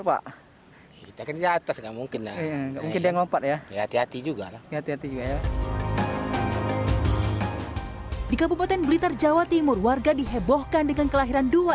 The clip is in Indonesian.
ya hati hati juga di kabupaten blitar jawa timur warga dihebohkan dengan kelahiran dua